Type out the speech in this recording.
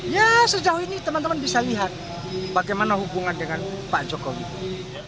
ya sejauh ini teman teman bisa lihat bagaimana hubungan dengan pak jokowi